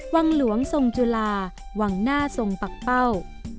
วังหลวงทรงจุลาวังหน้าทรงปักเป้า